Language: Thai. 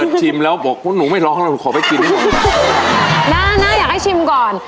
เกิดชิมแล้วบอกว่าหนูไม่ร้องแล้วขอไปกินดีกว่าน่าอยากให้ชิมก่อน